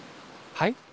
はい？